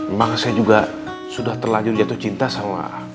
emang sejuga sudah terlanjur jatuh cinta sama